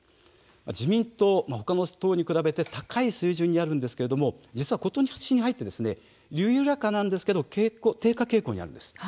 自民党は他の党に比べて高い水準にあるんですが実は今年に入って緩やかなんですが、低下傾向にあります。